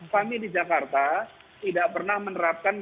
kami di jakarta tidak pernah menerapkan